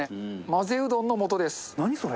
まぜうどんの素です。